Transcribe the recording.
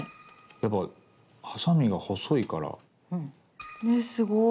やっぱハサミが細いから。ねすごい。